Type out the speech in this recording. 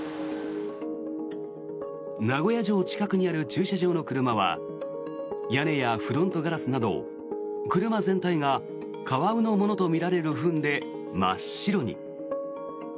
名古屋城近くにある駐車場の車は屋根やフロントガラスなど車全体がカワウのものとみられるフンで真っ白に。